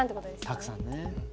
たくさんね。